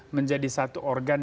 menjadi satu organ